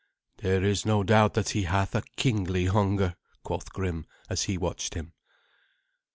"There is no doubt that he hath a kingly hunger," quoth Grim as he watched him.